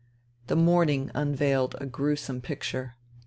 The morning unveiled a gruesome picture.